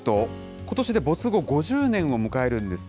ことしで没後５０年を迎えるんですね。